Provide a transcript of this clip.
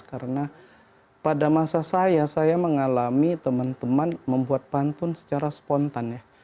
karena pada masa saya saya mengalami teman teman membuat pantun secara spontan